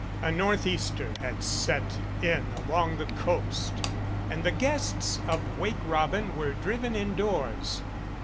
A northeaster had set in along the coast, and the guests of "Wake Robin" were driven indoors.